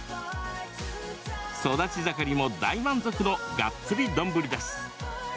育ち盛りも大満足のがっつり丼です。